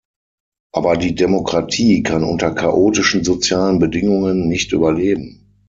Aber die Demokratie kann unter chaotischen sozialen Bedingungen nicht überleben.